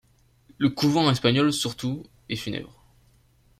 Le couvent espagnol surtout est funèbre.